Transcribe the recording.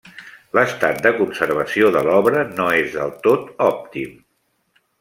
L'estat de conservació de l'obra no és del tot òptim.